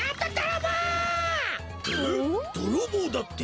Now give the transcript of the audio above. どろぼうだって！？